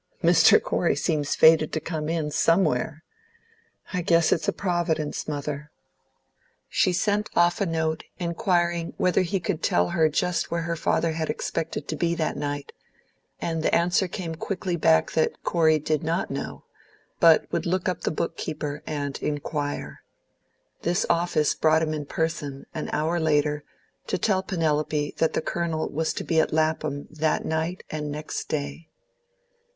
"Mr. Corey seems fated to come in, somewhere. I guess it's a Providence, mother." She sent off a note, inquiring whether he could tell her just where her father had expected to be that night; and the answer came quickly back that Corey did not know, but would look up the book keeper and inquire. This office brought him in person, an hour later, to tell Penelope that the Colonel was to be at Lapham that night and next day.